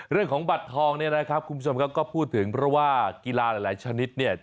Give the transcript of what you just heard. เรื่องของบัตรทองเนี่ยนะครับคุณผู้ชมครับก็พูดถึงเพราะว่ากีฬาหลายชนิดเนี่ย